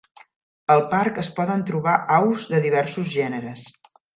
Al parc es poden trobar aus de diversos gèneres.